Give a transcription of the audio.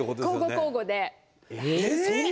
交互交互で。